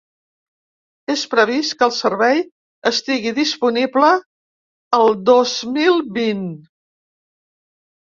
És previst que el servei estigui disponible el dos mil vint.